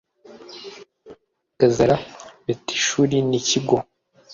gazara, betishuri n'ikigo